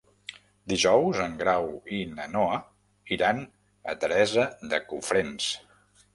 Dijous en Grau i na Noa iran a Teresa de Cofrents.